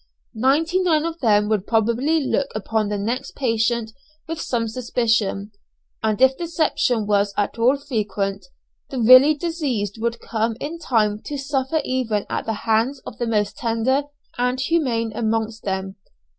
ninety nine of them would probably look upon the next patient with some suspicion, and if deception was at all frequent, the really diseased would come in time to suffer even at the hands of the most tender and humane amongst them.